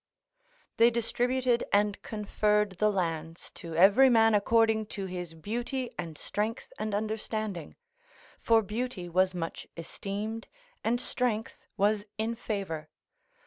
["They distributed and conferred the lands to every man according to his beauty and strength and understanding, for beauty was much esteemed and strength was in favour."